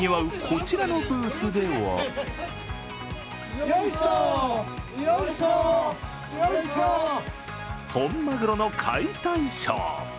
こちらのブースでは本まぐろの解体ショー。